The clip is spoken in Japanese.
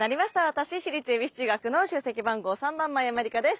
私私立恵比寿中学の出席番号３番真山りかです。